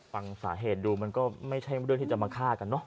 ฟังสาเหตุดูมันก็ไม่ใช่เรื่องที่จะมาฆ่ากันเนอ